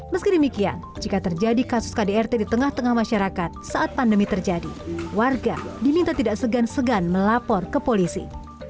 meski demikian jika terjadi kasus kdrt di tengah tengah masyarakat saat pandemi terjadi warga diminta tidak segan segan melapor ke polisi